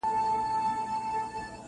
مرګ د زړو دی غم د ځوانانو-